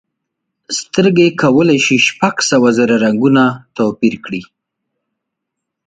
سترګې کولی شي شپږ سوه زره رنګونه توپیر کړي.